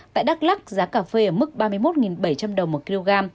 tại đắk lắc giá cà phê ở mức ba mươi một bảy trăm linh đồng một kg